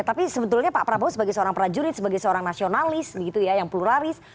tapi sebetulnya pak prabowo sebagai seorang prajurit sebagai seorang nasionalis gitu ya yang pluralis